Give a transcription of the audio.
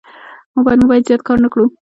موبایل مو باید زیات کار نه کړو.